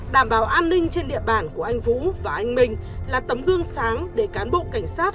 đảm bảo an ninh trên địa bàn của anh vũ và anh minh là tấm gương sáng để cán bộ cảnh sát